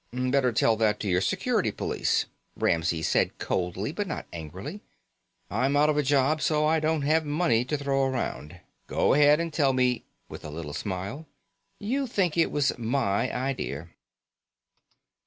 "Better tell that to your Security Police," Ramsey said coldly but not angrily. "I'm out of a job, so I don't have money to throw around. Go ahead and tell me " with a little smile "you think it was my idea."